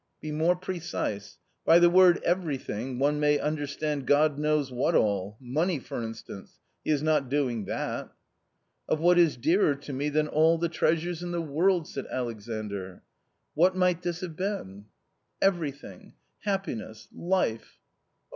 "Be more precise. By the word everything one may understand God knows what all — money, for instance ; he is not doing that." " Of what is dearer to me than all the treasures in the world," said Alexandr. " What might this have been ?"" Everything — happiness, life."